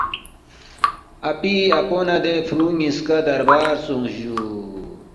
اپی، اپو نہ دے فُرو نِ٘یسکا دربار سونگس جُو